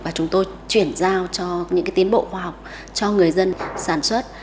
và chúng tôi chuyển giao cho những tiến bộ khoa học cho người dân sản xuất